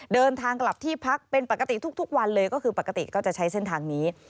เดินทางกลับที่พักเป็นปกติทุกวันเลยก็คือปกติก็จะใช้เส้นทางนี้